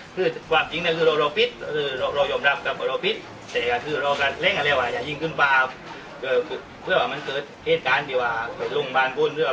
คือความจริงคือเราพิษเรายอมรับกับเราพิษแต่คือเราก็เล่นกันแล้วว่าอย่ายิงขึ้นป่า